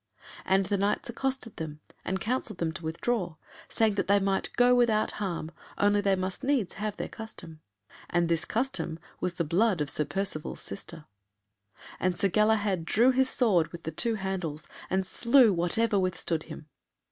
And the Knights accosted them, and counselled them to withdraw, saying they might go without harm, only they must needs have their custom. And this custom was the blood of Sir Percivale's sister. And Sir Galahad drew his sword with the two handles, and slew whatever withstood him.